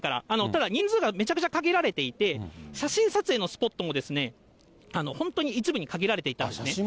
ただ、人数がめちゃくちゃ限られていて、写真撮影のスポットも、本当に一部に限られていたんですね。